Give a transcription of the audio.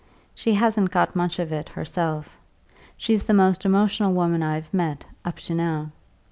She hasn't got much of it herself; she's the most emotional woman I have met, up to now.